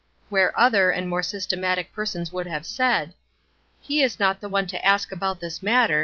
Where other and more systematic persons would have said, "He is not the one to ask about this matter!